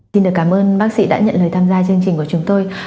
cảm ơn bác sĩ đã nhận lời tham gia chương trình của chúng tôi